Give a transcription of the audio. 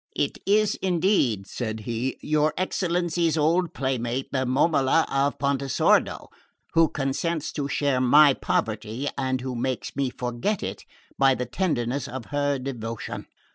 "It is, indeed," said he, "your excellency's old playmate, the Momola of Pontesordo, who consents to share my poverty and who makes me forget it by the tenderness of her devotion."